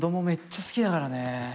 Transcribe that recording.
めっちゃ好きだからね。